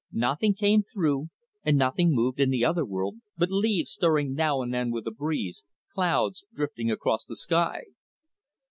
Nothing came through, and nothing moved in the other world but leaves stirring now and then with a breeze, clouds drifting across the sky.